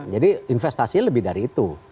jadi investasinya lebih dari itu